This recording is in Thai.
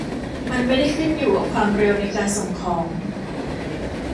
มันไม่ได้ขึ้นอยู่กับความเร็วในการส่งของ